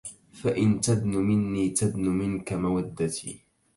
فَإِن تَدنُ مِنّي تَدنُ مِنكَ مَوَدَّتي